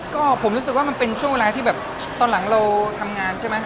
ก็ผมรู้สึกว่ามันเป็นช่วงเวลาที่แบบตอนหลังเราทำงานใช่ไหม